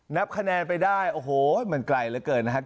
นับคะแนนไปได้โอ้โหมันไกลเหลือเกินนะครับ